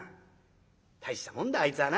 大したもんだあいつはな」。